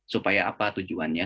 supaya apa tujuannya